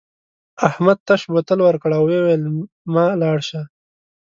احمد تش بوتل ورکړ او وویل مه لاړ شه.